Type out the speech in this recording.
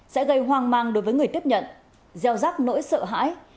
sẽ gây hoang mang đối với người tiếp nhận gieo rắc nỗi sợ hãi